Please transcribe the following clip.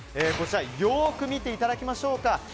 こちらよく見ていただきましょうか。